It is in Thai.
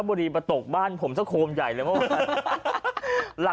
พี่ทำยังไงฮะ